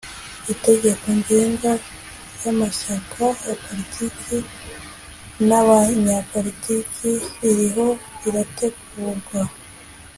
itegeko ngenga ry'amashyaka ya politiki n'abanyapolitiki ririho rirategurwa